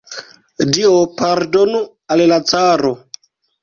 Dio pardonu al la caro!